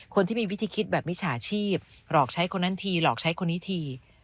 คนที่มีวิธีคิดแบบมิจฉาชีพหลอกใช้คนนั้นทีหลอกใช้คนนี้ที